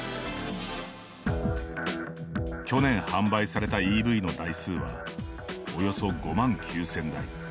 去年販売されたＥＶの台数はおよそ５万９千台。